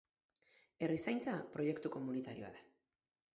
Herrizaintza proiektu komunitarioa da